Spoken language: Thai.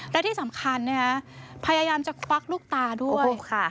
และที่สำคัญพยายามจะควักลูกตาด้วยค่ะ